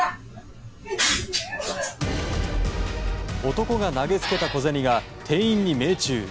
男が投げつけた小銭が店員に命中。